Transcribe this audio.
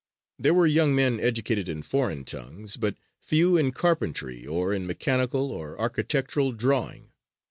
There were young men educated in foreign tongues, but few in carpentry or in mechanical or architectural drawing.